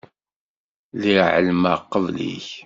Lliɣ ɛelmeɣ qbel-ik.